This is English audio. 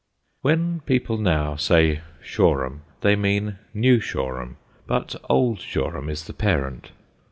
When people now say Shoreham they mean New Shoreham, but Old Shoreham is the parent.